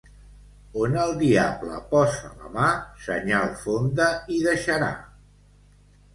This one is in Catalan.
On el diable posa la mà, senyal fonda hi deixarà.